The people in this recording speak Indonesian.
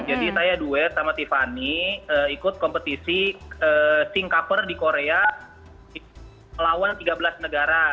jadi saya duet sama tiffany ikut kompetisi sing cover di korea melawan tiga belas negara